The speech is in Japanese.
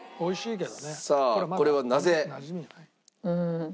さあこれはなぜ？